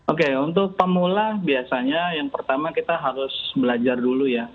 oke untuk pemula biasanya yang pertama kita harus belajar dulu ya